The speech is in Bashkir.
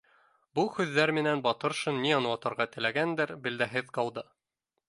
Был һүҙҙәр менән Батыршин ни аңлатырға теләгәндер, билдәһеҙ ҡалды